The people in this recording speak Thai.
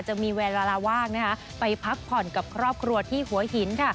จะมีเวลาว่างไปพักผ่อนกับครอบครัวที่หัวหินค่ะ